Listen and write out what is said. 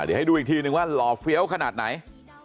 เดี๋ยวให้ดูอีกทีนึงว่าหล่อเฟี้ยวขนาดไหน